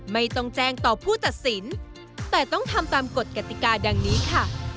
ไม่ต้องแจ้งต่อผู้ตัดสินแต่ต้องทำตามกฎกติกาดังนี้ค่ะ